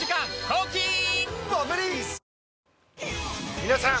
皆さん